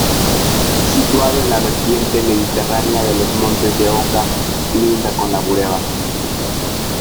Situado en la vertiente mediterránea de los Montes de Oca, linda con La Bureba.